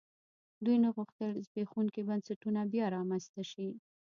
دوی نه غوښتل زبېښونکي بنسټونه بیا رامنځته شي.